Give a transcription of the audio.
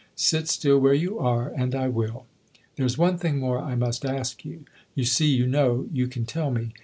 Sit still where you are, and I will." " There's one thing more I must ask you. You see; you know; you can tell me."